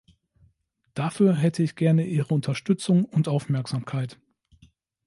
Dafür hätte ich gern Ihre Unterstützung und Aufmerksamkeit.